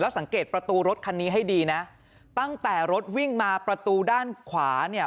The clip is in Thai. สังเกตประตูรถคันนี้ให้ดีนะตั้งแต่รถวิ่งมาประตูด้านขวาเนี่ย